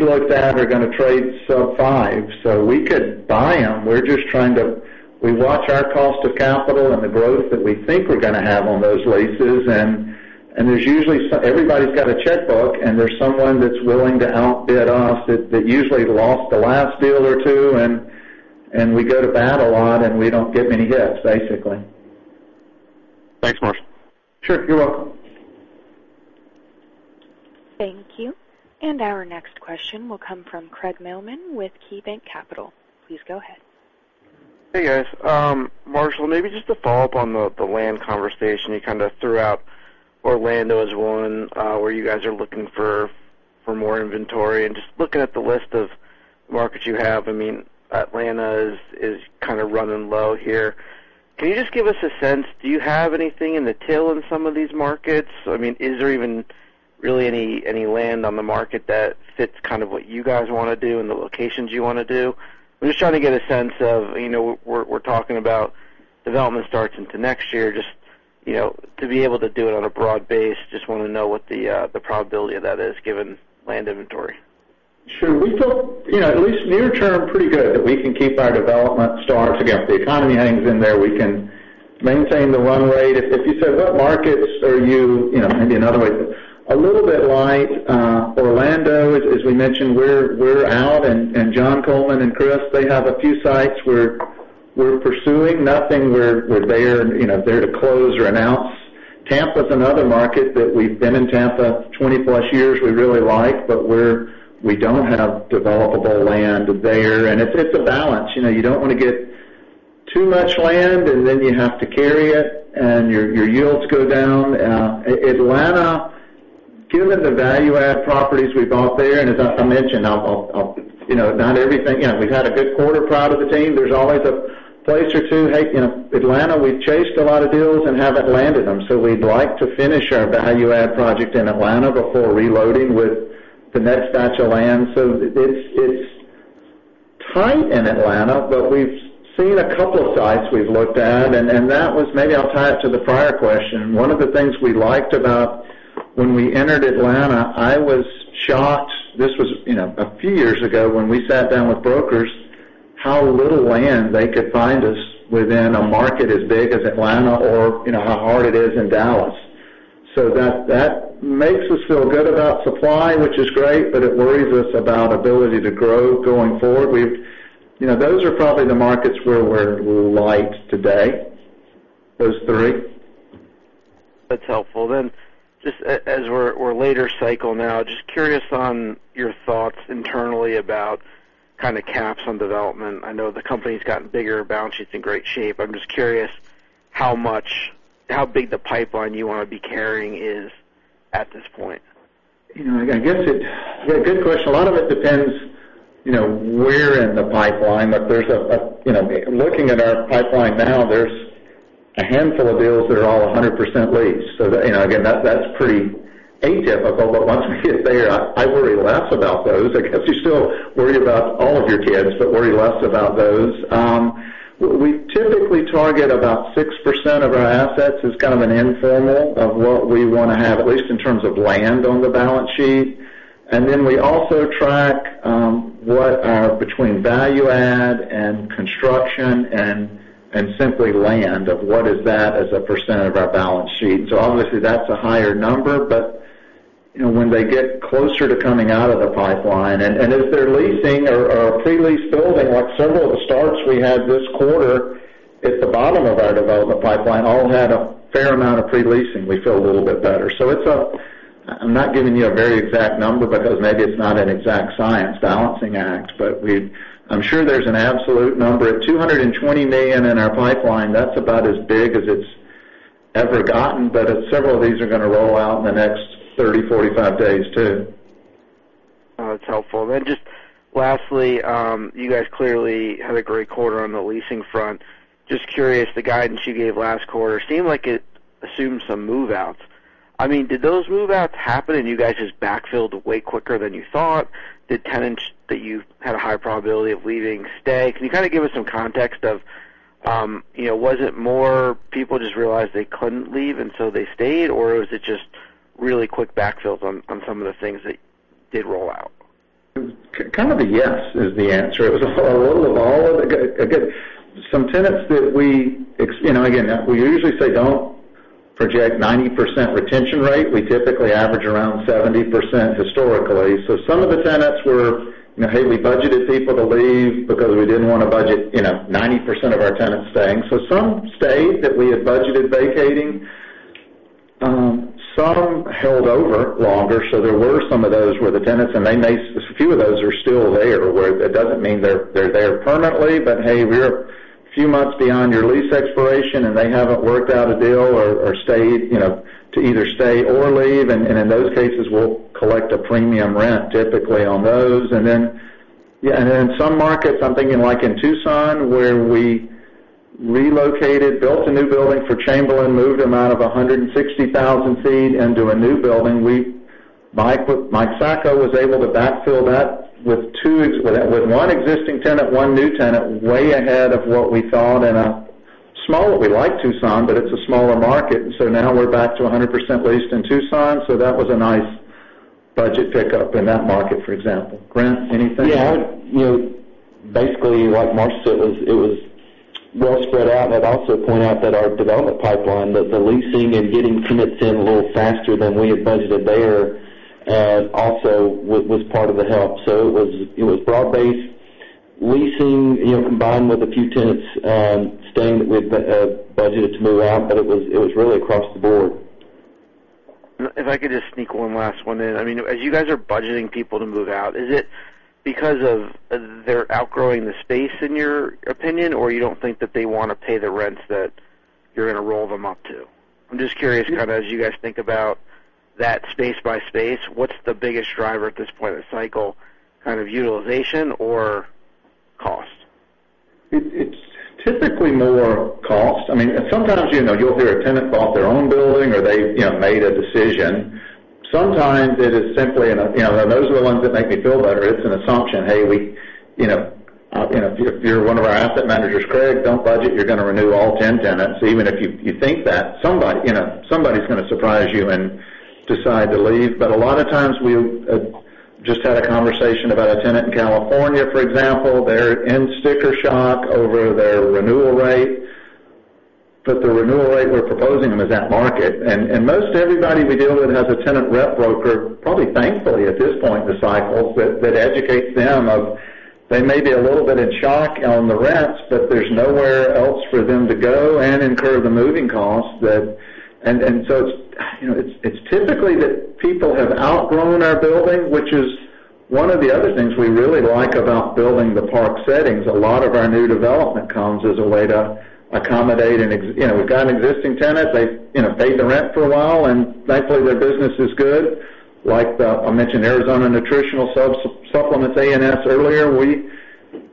looked at are going to trade sub five. We could buy them. We watch our cost of capital and the growth that we think we're going to have on those leases. Everybody's got a checkbook, and there's someone that's willing to outbid us that usually lost the last deal or two. We go to battle on, and we don't get many hits, basically. Thanks, Marshall. Sure. You're welcome. Thank you. Our next question will come from Craig Mailman with KeyBanc Capital. Please go ahead. Hey, guys. Marshall, maybe just to follow up on the land conversation, you kind of threw out Orlando as one where you guys are looking for more inventory. Just looking at the list of markets you have, Atlanta is kind of running low here. Can you just give us a sense, do you have anything in the till in some of these markets? Is there even really any land on the market that fits what you guys want to do and the locations you want to do? I'm just trying to get a sense of, we're talking about development starts into next year, just to be able to do it on a broad base, just want to know what the probability of that is given land inventory. Sure. We feel, at least near term, pretty good that we can keep our development starts. If the economy hangs in there, we can maintain the run rate. If you said what markets are you, a little bit light. Orlando, as we mentioned, we're out, John Coleman and Chris, they have a few sites we're pursuing. Nothing we're there to close or announce. Tampa's another market that we've been in Tampa 20+ years, we really like, but we don't have developable land there. It's a balance. You don't want to get too much land, then you have to carry it, and your yields go down. Atlanta, given the value add properties we bought there, as I mentioned, we've had a good quarter. Proud of the team. There's always a place or two. Hey, Atlanta, we've chased a lot of deals and haven't landed them. We'd like to finish our value add project in Atlanta before reloading with the next batch of land. It's tight in Atlanta, but we've seen a couple of sites we've looked at, maybe I'll tie it to the prior question. One of the things we liked about when we entered Atlanta, I was shocked, this was a few years ago when we sat down with brokers, how little land they could find us within a market as big as Atlanta or how hard it is in Dallas. That makes us feel good about supply, which is great, but it worries us about ability to grow going forward. Those are probably the markets where we're light today. Those three. That's helpful. Just as we're later cycle now, just curious on your thoughts internally about kind of caps on development. I know the company's gotten bigger, balance sheet's in great shape. I'm just curious how big the pipeline you want to be carrying is at this point. Yeah, good question. A lot of it depends where in the pipeline. Looking at our pipeline now, there's a handful of deals that are all 100% leased. Again, that's pretty atypical, but once we get there, I worry less about those. I guess you still worry about all of your kids, but worry less about those. We typically target about 6% of our assets as kind of an informal of what we want to have, at least in terms of land on the balance sheet. We also track what are between value add and construction and simply land of what is that as a % of our balance sheet. Obviously, that's a higher number. When they get closer to coming out of the pipeline, and as they're leasing or a pre-leased building, like several of the starts we had this quarter at the bottom of our development pipeline, all had a fair amount of pre-leasing. We feel a little bit better. I'm not giving you a very exact number because maybe it's not an exact science balancing act, but I'm sure there's an absolute number. At $220 million in our pipeline, that's about as big as it's ever gotten. Several of these are going to roll out in the next 30, 45 days, too. That's helpful. Just lastly, you guys clearly had a great quarter on the leasing front. Just curious, the guidance you gave last quarter seemed like it assumed some move-outs. Did those move-outs happen and you guys just backfilled way quicker than you thought? Did tenants that you had a high probability of leaving stay? Can you kind of give us some context of, was it more people just realized they couldn't leave and so they stayed, or was it just really quick backfills on some of the things that did roll out? Kind of yes is the answer. It was a little of all of it. Again, we usually say don't project 90% retention rate. We typically average around 70% historically. Some of the tenants were, "Hey, we budgeted people to leave because we didn't want to budget 90% of our tenants staying." Some stayed that we had budgeted vacating. Some held over longer. There were some of those where the tenants, and a few of those are still there. That doesn't mean they're there permanently, but hey, we're a few months beyond your lease expiration and they haven't worked out a deal or to either stay or leave. In those cases, we'll collect a premium rent typically on those. In some markets, I'm thinking like in Tucson, where we relocated, built a new building for Chamberlain, moved them out of 160,000 feet into a new building. Mike Sacco was able to backfill that with one existing tenant, one new tenant, way ahead of what we thought. We like Tucson, but it's a smaller market. Now we're back to 100% leased in Tucson. That was a nice budget pickup in that market, for example. Grant, anything? Yeah. Basically, like Marshall said, it was well spread out. I'd also point out that our development pipeline, that the leasing and getting tenants in a little faster than we had budgeted there, also was part of the help. It was broad-based leasing, combined with a few tenants staying that we had budgeted to move out, but it was really across the board. If I could just sneak one last one in. As you guys are budgeting people to move out, is it because of they're outgrowing the space, in your opinion, or you don't think that they want to pay the rents that you're going to roll them up to? I'm just curious, as you guys think about that space by space, what's the biggest driver at this point of the cycle, kind of utilization or cost? It's typically more cost. Sometimes, you'll hear a tenant bought their own building or they made a decision. Sometimes it is simply, and those are the ones that make me feel better, it's an assumption. If you're one of our asset managers, Craig, don't budget you're going to renew all 10 tenants, even if you think that. Somebody's going to surprise you and decide to leave. A lot of times, we just had a conversation about a tenant in California, for example. They're in sticker shock over their renewal rate. The renewal rate we're proposing them is at market. Most everybody we deal with has a tenant rep broker, probably thankfully at this point in the cycle, that educates them of, they may be a little bit in shock on the rents, but there's nowhere else for them to go and incur the moving costs. It's typically that people have outgrown our building, which is one of the other things we really like about building the park settings. A lot of our new development comes as a way to accommodate We've got an existing tenant. They've paid the rent for a while, and thankfully, their business is good. Like I mentioned Arizona Nutritional Supplements, ANS, earlier.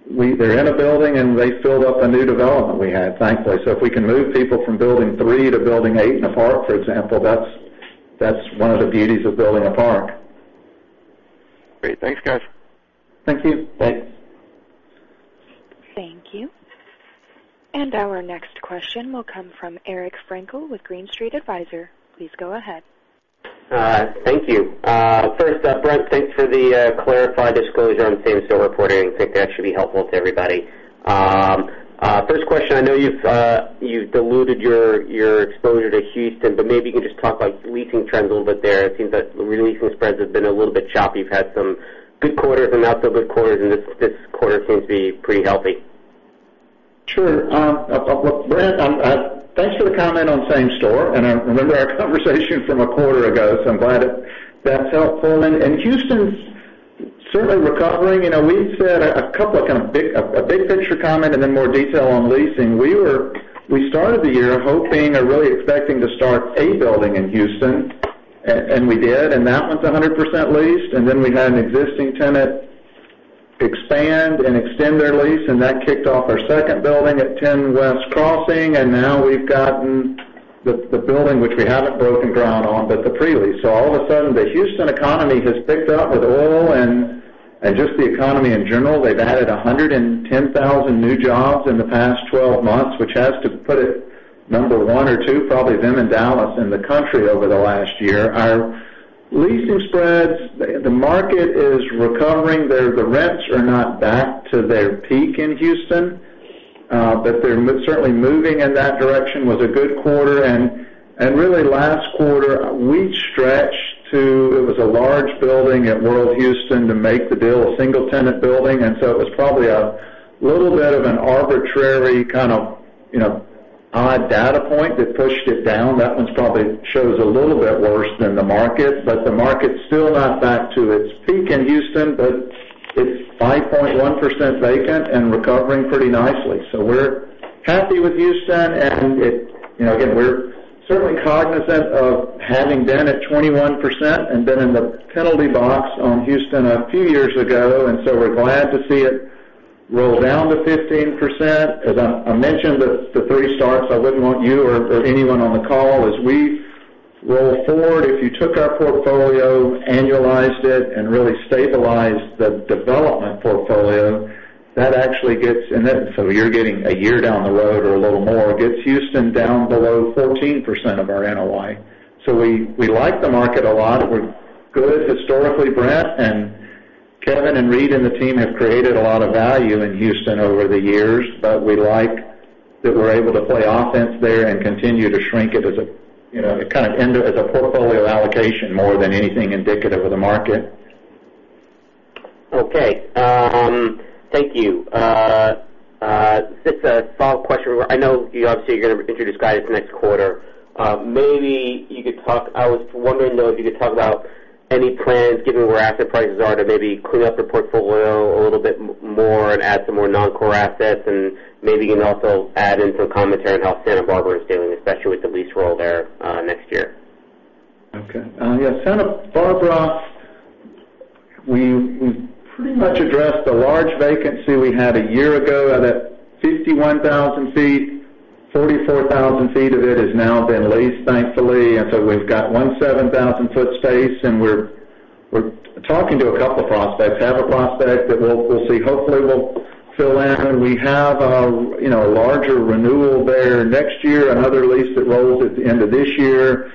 They're in a building, and they filled up a new development we had, thankfully. If we can move people from building 3 to building 8 in a park, for example, that's one of the beauties of building a park. Great. Thanks, guys. Thank you. Thanks. Thank you. Our next question will come from Eric Frankel with Green Street Advisors. Please go ahead. Thank you. First, Brent, thanks for the clarified disclosure on same-store reporting. I think that should be helpful to everybody. First question, I know you've diluted your exposure to Houston, but maybe you can just talk about leasing trends a little bit there. It seems that re-leasing spreads have been a little bit choppy. You've had some good quarters and not so good quarters, and this quarter seems to be pretty healthy. Sure. Brent, thanks for the comment on same-store. I remember our conversation from a quarter ago, so I'm glad that that's helpful. Houston's certainly recovering. We said a big picture comment and then more detail on leasing. We started the year hoping or really expecting to start a building in Houston, and we did, and that one's 100% leased. Then we had an existing tenant expand and extend their lease, and that kicked off our second building at Ten West Crossing. Now we've gotten the building, which we haven't broken ground on, but the pre-lease. All of a sudden, the Houston economy has picked up with oil and just the economy in general. They've added 110,000 new jobs in the past 12 months, which has to put it number one or two, probably them and Dallas, in the country over the last year. Our leasing spreads, the market is recovering. The rents are not back to their peak in Houston. They're certainly moving in that direction. It was a good quarter. Really last quarter, we stretched to It was a large building at World Houston to make the deal, a single-tenant building. It was probably a little bit of an arbitrary kind of odd data point that pushed it down. That one probably shows a little bit worse than the market, but the market's still not back to its peak in Houston, but it's 5.1% vacant and recovering pretty nicely. We're happy with Houston, and again, we're certainly cognizant of having been at 21% and been in the penalty box on Houston a few years ago. We're glad to see it roll down to 15%. As I mentioned the three starts, I wouldn't want you or anyone on the call, as we roll forward, if you took our portfolio, annualized it, and really stabilized the development portfolio, that actually you're getting a year down the road or a little more, gets Houston down below 14% of our NOI. We like the market a lot. We're good historically, Brent. Kevin and Reid and the team have created a lot of value in Houston over the years, but we like that we're able to play offense there and continue to shrink it as a portfolio allocation more than anything indicative of the market. Okay. Thank you. Just a follow-up question. I know you obviously are going to introduce guidance next quarter. I was wondering though, if you could talk about any plans, given where asset prices are, to maybe clean up the portfolio a little bit more and add some more non-core assets, and maybe you can also add in some commentary on how Santa Barbara is doing, especially with the lease roll there next year. Okay. Yeah, Santa Barbara, we've pretty much addressed the large vacancy we had a year ago of that 51,000 feet. 44,000 feet of it has now been leased, thankfully. We've got 1 7,000-foot space, and we're talking to a couple prospects. Have a prospect that we'll see. Hopefully, we'll fill in. We have a larger renewal there next year, another lease that rolls at the end of this year.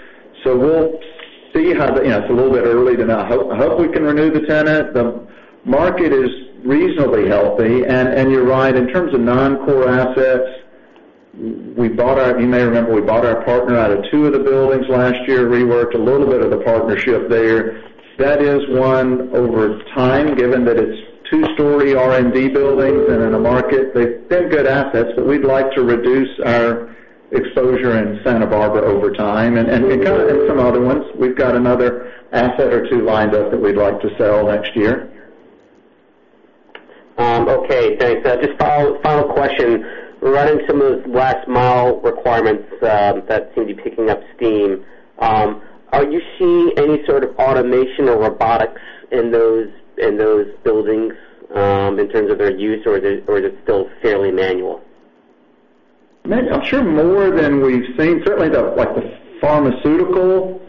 We'll see how. It's a little bit early to know. I hope we can renew the tenant. The market is reasonably healthy. You're right, in terms of non-core assets, you may remember we bought our partner out of 2 of the buildings last year, reworked a little bit of the partnership there. That is one over time, given that it's 2-story R&D buildings and in a market. They've been good assets, we'd like to reduce our exposure in Santa Barbara over time and kind of in some other ones. We've got another asset or 2 lined up that we'd like to sell next year. Okay, thanks. Just final question. Regarding some of those last-mile requirements that seem to be picking up steam, are you seeing any sort of automation or robotics in those buildings, in terms of their use, or is it still fairly manual? I'm sure more than we've seen. Certainly, like the pharmaceutical,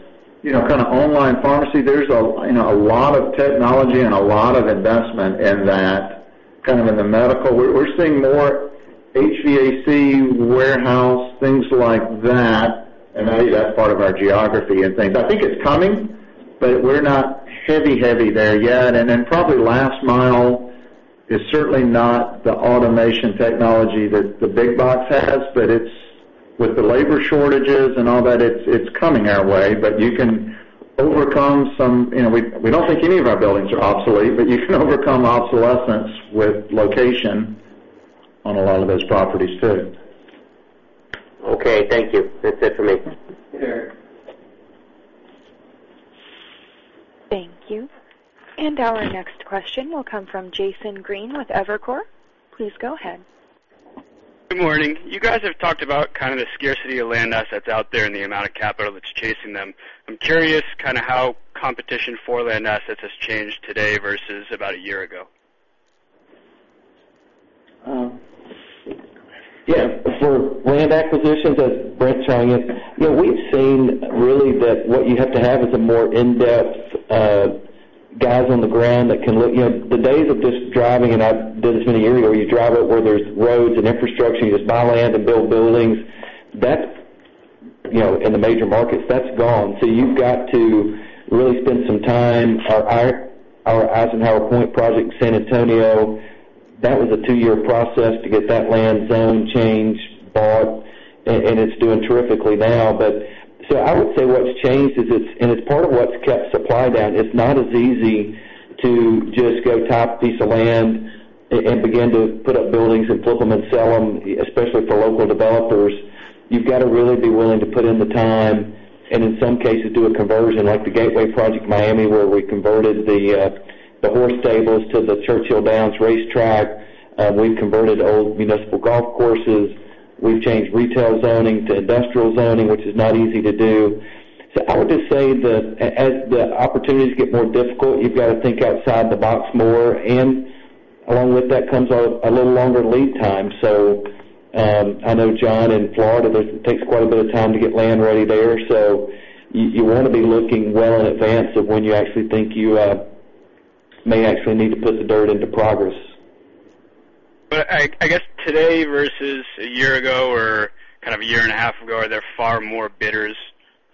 kind of online pharmacy, there's a lot of technology and a lot of investment in that, kind of in the medical. We're seeing more HVAC warehouse, things like that. Maybe that's part of our geography and things. I think it's coming, but we're not heavy there yet. Then probably last mile is certainly not the automation technology that the big box has, but with the labor shortages and all that, it's coming our way, but we don't think any of our buildings are obsolete, but you can overcome obsolescence with location on a lot of those properties, too. Okay, thank you. That's it for me. Sure. Thank you. Our next question will come from Jason Green with Evercore. Please go ahead. Good morning. You guys have talked about kind of the scarcity of land assets out there and the amount of capital that's chasing them. I'm curious kind of how competition for land assets has changed today versus about a year ago. Yeah. For land acquisitions, as Brent's saying, we've seen really that what you have to have is the more in-depth guys on the ground that can look. The days of just driving, and I did this many years ago, you drive up where there's roads and infrastructure, you just buy land and build buildings. In the major markets, that's gone. You've got to really spend some time. Our Eisenhauer Point project in San Antonio, that was a two-year process to get that land zoned, changed, bought, and it's doing terrifically now. I would say what's changed is it's, and it's part of what's kept supply down, it's not as easy to just go tap a piece of land and begin to put up buildings and flip them and sell them, especially for local developers. You've got to really be willing to put in the time, and in some cases, do a conversion like the Gateway Project Miami, where we converted the horse stables to the Churchill Downs racetrack. We've converted old municipal golf courses. We've changed retail zoning to industrial zoning, which is not easy to do. I would just say that as the opportunities get more difficult, you've got to think outside the box more. Along with that comes a little longer lead time. I know John in Florida, it takes quite a bit of time to get land ready there. You want to be looking well in advance of when you actually think you may actually need to put the dirt into progress. I guess today versus a year ago or kind of a year and a half ago, are there far more bidders?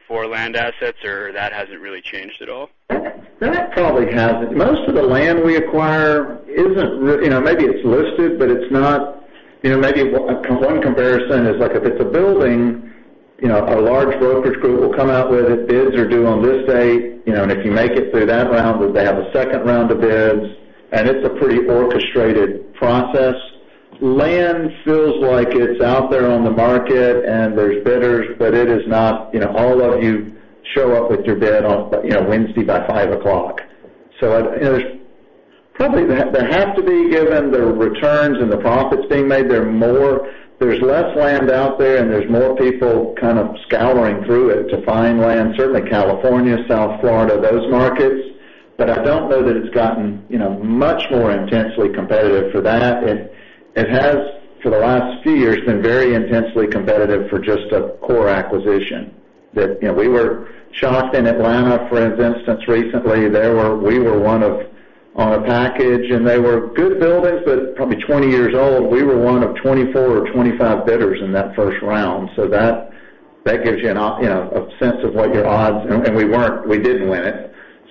For land assets, or that hasn't really changed at all? That probably hasn't. Most of the land we acquire, maybe it's listed, but it's not. Maybe one comparison is like if it's a building, a large brokerage group will come out with it. Bids are due on this date, and if you make it through that round, they have a second round of bids, and it's a pretty orchestrated process. Land feels like it's out there on the market and there's bidders, but it is not all of you show up with your bid on Wednesday by 5:00 o'clock. There have to be, given the returns and the profits being made, there's less land out there and there's more people kind of scouring through it to find land. Certainly California, South Florida, those markets. I don't know that it's gotten much more intensely competitive for that. It has, for the last few years, been very intensely competitive for just a core acquisition. We were shocked in Atlanta, for instance, recently. We were one of on a package, and they were good buildings, but probably 20 years old. We were one of 24 or 25 bidders in that first round. That gives you a sense of what your odds. We didn't win it.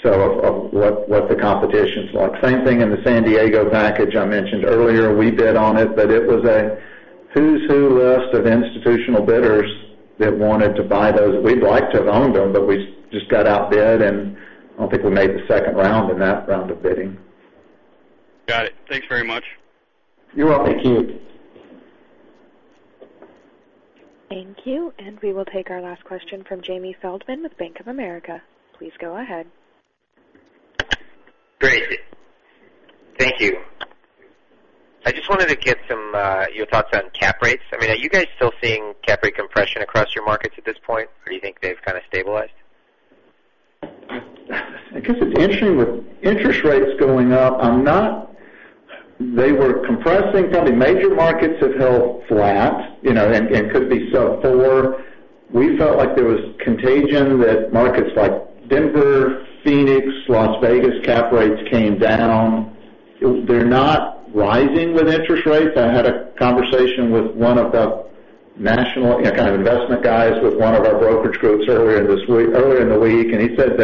Of what the competition's like. Same thing in the San Diego package I mentioned earlier. We bid on it, but it was a who's who list of institutional bidders that wanted to buy those. We'd like to have owned them, but we just got outbid, and I don't think we made the second round in that round of bidding. Got it. Thanks very much. You're welcome. Thank you. We will take our last question from Jamie Feldman with Bank of America. Please go ahead. Great. Thank you. I just wanted to get your thoughts on cap rates. Are you guys still seeing cap rate compression across your markets at this point, or do you think they've kind of stabilized? I guess it's interesting with interest rates going up, they were compressing. Probably major markets have held flat, could be sub 4. We felt like there was contagion that markets like Denver, Phoenix, Las Vegas, cap rates came down. They're not rising with interest rates. I had a conversation with one of the national kind of investment guys with one of our brokerage groups earlier in the week, he said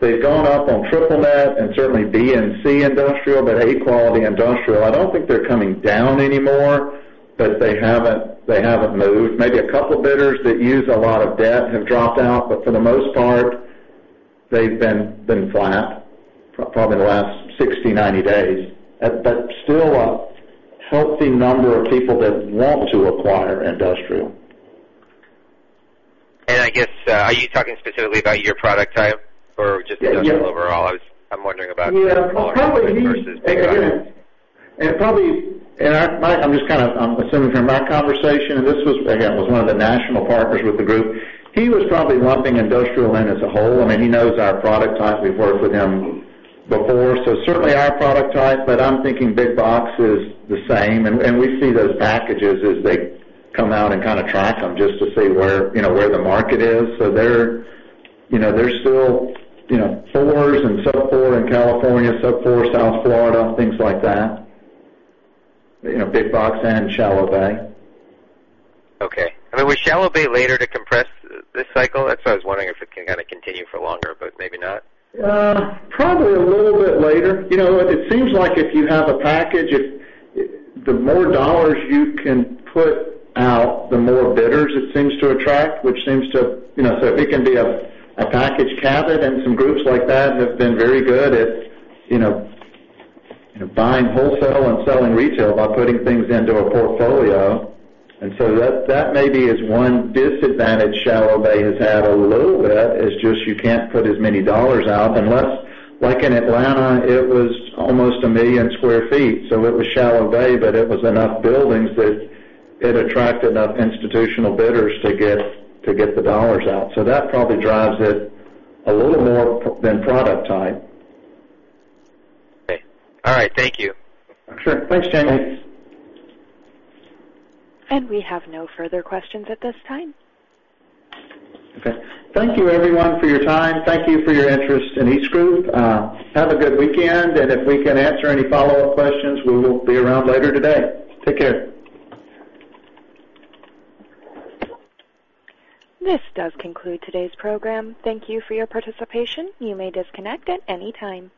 they've gone up on triple net and certainly B and C industrial, but A quality industrial, I don't think they're coming down anymore. They haven't moved. Maybe a couple bidders that use a lot of debt have dropped out, but for the most part, they've been flat for probably the last 60, 90 days. Still a healthy number of people that want to acquire industrial. I guess, are you talking specifically about your product type or just industrial overall? I'm wondering about- Yeah. Probably- -quality versus the others. Probably, I'm assuming from my conversation, this was, again, was one of the national partners with the group. He was probably lumping industrial in as a whole. He knows our product type. We've worked with him before, so certainly our product type, but I'm thinking big box is the same. We see those packages as they come out and kind of track them just to see where the market is. There's still fours and sub four in California, sub four South Florida, things like that, big box and shallow bay. Okay. Will shallow bay later decompress this cycle? That is why I was wondering if it can continue for longer, but maybe not. Probably a little bit later. It seems like if you have a package, the more dollars you can put out, the more bidders it seems to attract. It can be a package capital, and some groups like that have been very good at buying wholesale and selling retail by putting things into a portfolio. That maybe is one disadvantage shallow bay has had a little bit, is just you can't put as many dollars out unless, like in Atlanta, it was almost 1 million sq ft. It was shallow bay, but it was enough buildings that it attracted enough institutional bidders to get the dollars out. That probably drives it a little more than product type. Okay. All right. Thank you. Sure. Thanks, Jamie. We have no further questions at this time. Okay. Thank you everyone for your time. Thank you for your interest in EastGroup. Have a good weekend, and if we can answer any follow-up questions, we will be around later today. Take care. This does conclude today's program. Thank you for your participation. You may disconnect at any time.